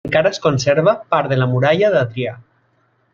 Encara es conserva part de la muralla d'Adrià.